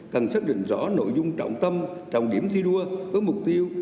cần xác định rõ nội dung trọng tâm trọng điểm thi đua với mục tiêu